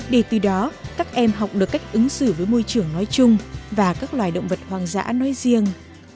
để từ đó các em học được cách ứng xử với môi trường nói chung và các loài động vật hoang dã nói riêng